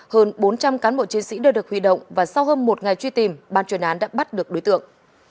hơn bốn trăm linh cán bộ chiến sĩ đều được huy động và sau hơn một ngày truy tìm ban chuyên án đã bắt được đối tượng